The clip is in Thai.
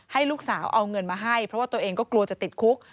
ให้ลูกสาวเอาเงินมาให้เพราะว่าตัวเองก็กลัวจะติดคุก